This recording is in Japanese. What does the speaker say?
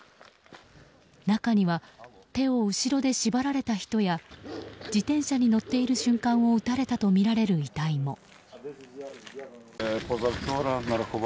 中には手を後ろで縛られた人や自転車に乗っている瞬間を撃たれたとみられる遺体も。